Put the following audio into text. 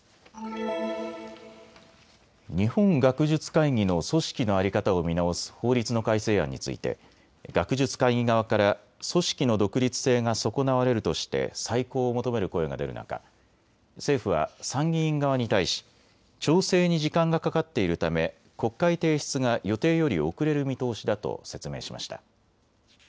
日本学術会議の組織の在り方を見直す法律の改正案について学術会議側から組織の独立性が損なわれるとして再考を求める声が出る中、政府は参議院側に対し調整に時間がかかっているため国会提出が予定より遅れる見通しだと説明しました。